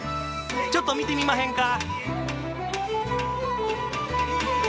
ちょっと見てみまへんか？